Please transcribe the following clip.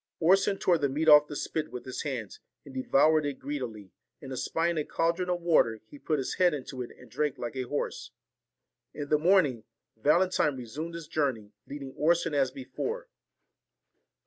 Orson tore the meat off the spit with his hands, and devoured it greedily; and espying a caldron of water, he put his head into it and drank like a horse. In the morning, Valentine resumed his journey, leading Orson as before.